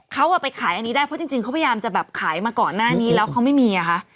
เขาไปขายอันนี้ได้เพราะจริงเขาพยายามจะแบบขายมาก่อนหน้านี้แล้วเขาไม่มีอ่ะคะ